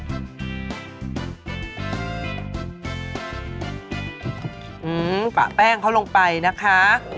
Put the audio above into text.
อืมปะแป้งเขาลงไปนะคะ